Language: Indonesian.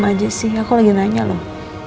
mas kok diem aja sih aku lagi nanya loh